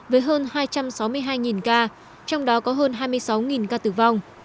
với hơn hai trăm sáu mươi hai ca trong đó có hơn hai mươi sáu ca tử vong